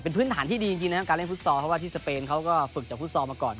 เป็นพื้นฐานที่ดีจริงนะครับการเล่นฟุตซอลเพราะว่าที่สเปนเขาก็ฝึกจากฟุตซอลมาก่อน